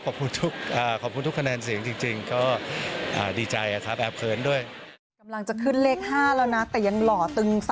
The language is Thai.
ขอบคุณทุกขอบคุณทุกคะแนนเสียงจริง